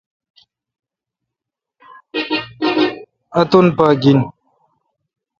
اتن پا گیہ۔